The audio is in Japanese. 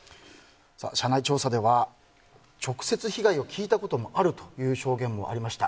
社内調査では直接、被害を聞いたこともあるという証言もありました。